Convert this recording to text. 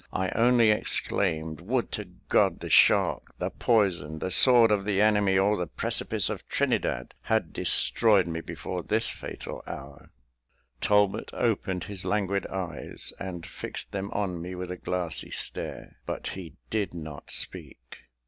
I only exclaimed, "Would to God the shark, the poison, the sword of the enemy, or the precipice of Trinidad had destroyed me before this fatal hour." Talbot opened his languid eyes, and fixed them on me with a glassy stare; but he did not speak.